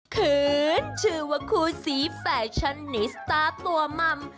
คืนชื่อว่าคู่สีแฟชั่นนิสตาร์ตัวมัม